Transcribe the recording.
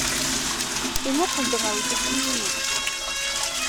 Yemmuqqel-d ɣer uselkim-inu.